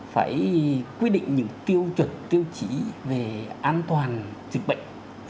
phải quy định những tiêu chuẩn tiêu chí về an toàn dịch bệnh